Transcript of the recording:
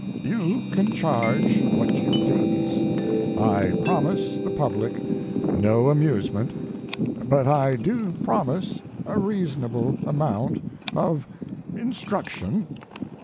You can charge what you please; I promise the public no amusement, but I do promise a reasonable amount of instruction.